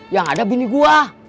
yang ada bini gue